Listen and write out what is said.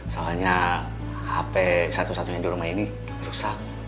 soalnya hp satu satunya di rumah ini rusak